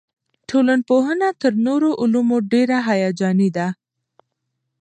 ټولنپوهنه تر نورو علومو ډېره هیجاني ده.